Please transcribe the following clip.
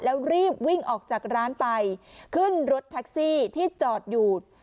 แล้วรีบวิ่งออกจากร้านไปขึ้นรถแท็กซี่ที่จอดอยู่